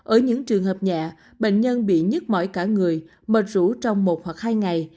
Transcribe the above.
ở những trường hợp nhẹ bệnh nhân bị nhức mỏi cả người mệt rủ trong một hoặc hai ngày